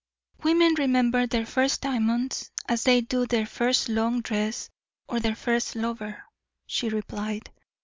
"Women remember their first diamonds, as they do their first long dress or their first lover," she replied.